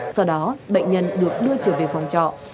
sau đó bệnh nhân được đưa trở về phòng trọ